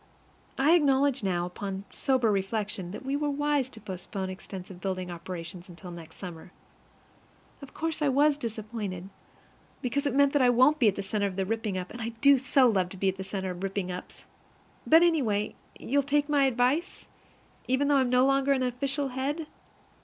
I acknowledge now, upon sober reflection, that we were wise to postpone extensive building operations until next summer. Of course I was disappointed, because it meant that I won't be the center of the ripping up, and I do so love to be the center of ripping ups! But, anyway, you'll take my advice, even though I'm no longer an official head?